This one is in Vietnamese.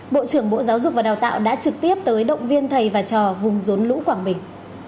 bộ trưởng bộ giáo dục và đào tạo đã trực tiếp tới động viên thầy và trò vùng rốn lũ quảng bình